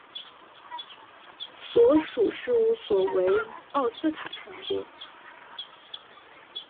所属事务所为奥斯卡传播。